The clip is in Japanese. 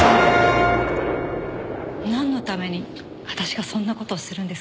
なんのために私がそんな事をするんですか？